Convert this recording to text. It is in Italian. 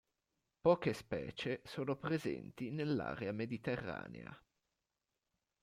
Poche specie sono presenti nell'area mediterranea.